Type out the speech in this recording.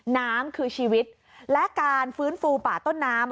น้ำคือชีวิตและการฟื้นฟูป่าต้นน้ำ